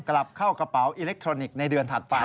กลับเข้ากระเป๋าอิเล็กทรอนิกส์ในเดือนถัดไป